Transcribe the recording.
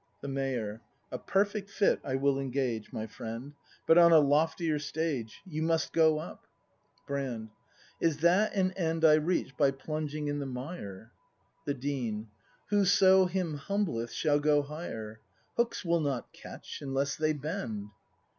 The Mayor. A perfect fit, I will engage. My friend, — but on a loftier stage: — You must go up ACT V] BRAND 243 Brand. Is that an end I reach by plunging in the mire? The Dean. Whoso him humbleth shall go higher! Hooks will not catch, unless they bend.